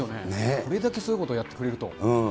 これだけすごいことをやってくれうん。